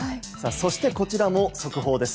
そして、こちらも速報です。